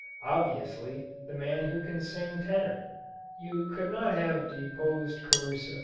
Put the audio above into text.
Obviously, the man who can sing tenor. You could not have deposed Caruso.